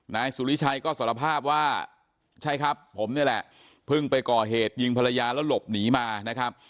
นายสุริชัยก็สารภาพว่าใช่ครับผมนี่แหละเพิ่งไปก่อเหตุยิงภรรยาแล้วหลบหนีมานะครับ